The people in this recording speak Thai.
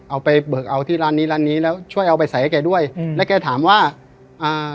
เอาไปเบิกเอาที่ร้านนี้ร้านนี้แล้วช่วยเอาไปใส่ให้แกด้วยอืมแล้วแกถามว่าอ่า